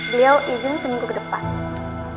beliau izin seminggu ke depan